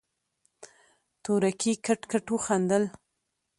تورکي کټ کټ وخندل.